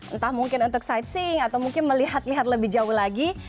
entah mungkin untuk side sing atau mungkin melihat lihat lebih jauh lagi